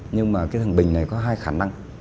nhưng mà thằng bình này có hai khả năng